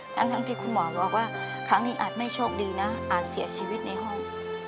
ทั้งที่คุณหมอบอกว่าครั้งนี้อาจไม่โชคดีนะอาจเสียชีวิตในห้อง